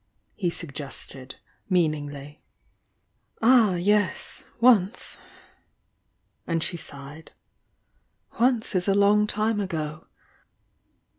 he suggested, meaningly. "Ah, yes, once!" and she sighed. "Once is a long time ago!"